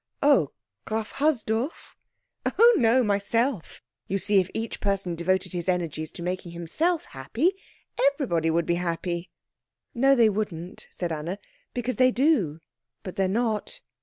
Oh, Graf Hasdorf." "Oh no, myself. You see, if each person devoted his energies to making himself happy, everybody would be happy." "No, they wouldn't," said Anna, "because they do, but they're not."